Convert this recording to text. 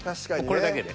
これだけで。